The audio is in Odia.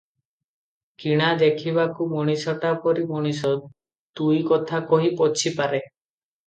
କିଣା ଦେଖିବାକୁ ମଣିଷଟା ପରି ମଣିଷ, ଦୁଇ କଥା କହି ପୋଛି ପାରେ ।